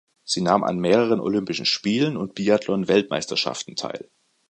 Sie nahm an mehreren Olympischen Spielen und Biathlon-Weltmeisterschaften teil.